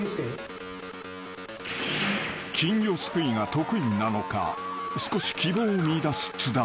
［金魚すくいが得意なのか少し希望を見いだす津田］